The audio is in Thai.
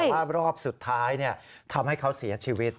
ภาพรอบสุดท้ายเนี่ยทำให้เขาเสียชีวิต